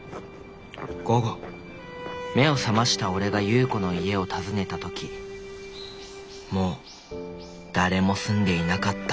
午後目を覚ましたおれが夕子の家を訪ねた時もう誰も住んでいなかった